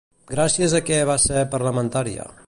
Gràcies a què va ser parlamentària?